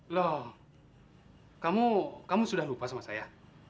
loh kamu sudah lupa sama saya